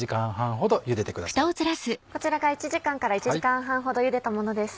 こちらが１時間から１時間半ほどゆでたものです。